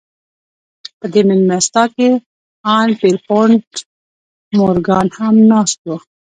په دې مېلمستیا کې ان پیرپونټ مورګان هم ناست و